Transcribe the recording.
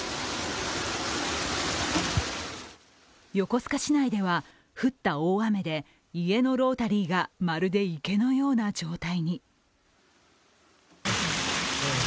横須賀市内では降った大雨で家のロータリーがまるで池のような状態に。